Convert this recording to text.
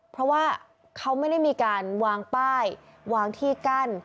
เพราะว่าเขาไม่ได้มีการวางป้ายวางที่กั้น